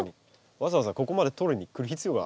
わざわざここまで取りにくる必要が。